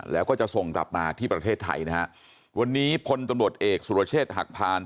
แล้วก็จะส่งกลับมาที่ประเทศไทยนะฮะวันนี้พลตำรวจเอกสุรเชษฐ์หักพาน